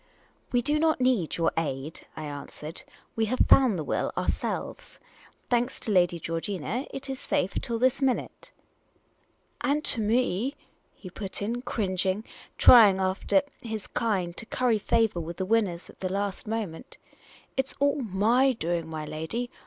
" We do not need your aid," I answered. "We have found the will, ourselves. Thanks to Lady Georgina, it is safe till this minute." " And to me," he put in, cringing, and trying after his kind to curry favour with the winners at the last moment. " It 's all my doing, my lady!